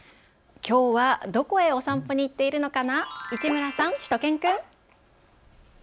きょうはどこへお散歩に行っているのかな、市村さん、しゅと犬くん。